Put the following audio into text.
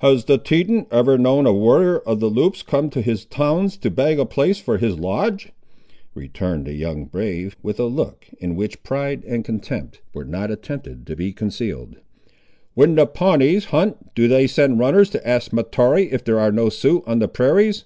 "Has the Teton ever known a warrior of the Loups come to his towns to beg a place for his lodge?" returned the young brave, with a look in which pride and contempt were not attempted to be concealed, "when the Pawnees hunt, do they send runners to ask Mahtoree if there are no Siouxes on the prairies?"